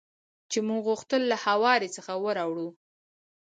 چې موږ غوښتل له هوارې څخه ور اوړو.